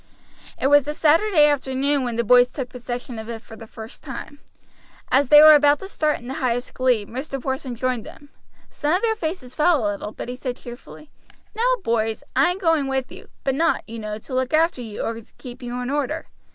It was a Saturday afternoon when the boys took possession of it for the first time. As they were about to start in the highest glee, Mr. Porson joined them. Some of their faces fell a little; but he said cheerfully: "Now, boys, I am going with you; but not, you know, to look after you or keep you in order.